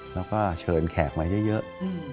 แล้วก็เชิญแขกมาเยอะ